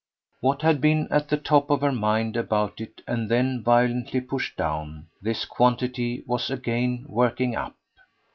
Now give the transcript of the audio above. What had been at the top of her mind about it and then been violently pushed down this quantity was again working up.